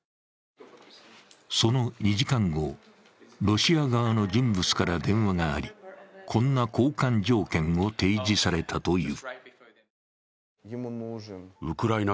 その２時間後、ロシア側の人物から電話があり、こんな交換条件を提示されたという。